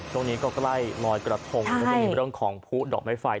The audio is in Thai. ช่วงนี้ก็ใกล้ลอยกระทงก็จะมีเรื่องของผู้ดอกไม้ไฟ